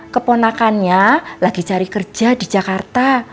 keponakannya lagi cari kerja di jakarta